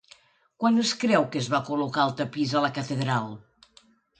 Quan es creu que es va col·locar el tapís a la catedral?